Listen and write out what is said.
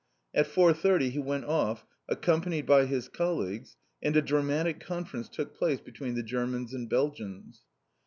At four thirty he went off, accompanied by his colleagues, and a dramatic conference took place between the Germans and Belgians.